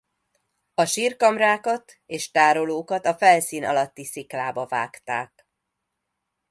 A sírkamrákat és tárolókat a felszín alatti sziklába vágták.